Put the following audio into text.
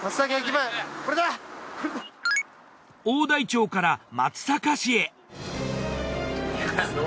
大台町から松阪市へ。